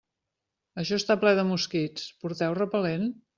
Això està ple de mosquits, porteu repel·lent?